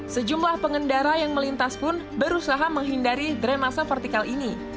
sejumlah pengendara yang melintas pun berusaha menghindari dremasa vertikal ini